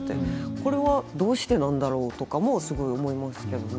これはどうしてなんだろう？とかもすごい思いますけどね。